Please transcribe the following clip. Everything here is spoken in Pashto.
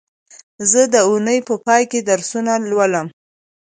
زه د اونۍ په پای کې درسونه لولم